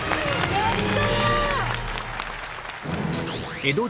やった！